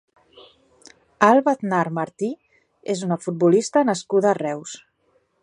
Alba Aznar Martí és una futbolista nascuda a Reus.